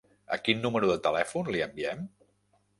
A quin número de telèfon li enviem?